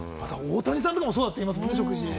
大谷さんとかも、そうだって言いますもんね。